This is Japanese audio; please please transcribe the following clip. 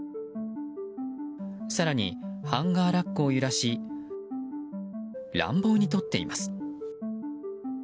更に、ハンガーラックを揺らし乱暴に取っています。